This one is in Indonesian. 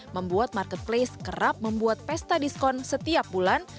membuat marketplace kerap membuat pesta diskon setiap bulan